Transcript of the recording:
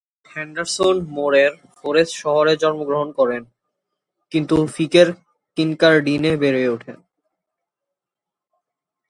Henderson মোরের Forres শহরে জন্মগ্রহণ করেন, কিন্তু ফিফের কিনকারডিনে বেড়ে ওঠেন।